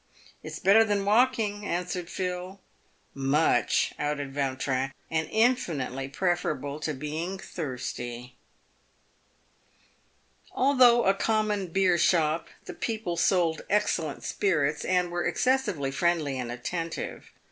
" It's better than walking," an swered Phil. " Much," added Vautrin ;" and infinitely preferable to being thirsty." Although a common beershop, the people sold excellent spirits, and were excessively friendly and attentive.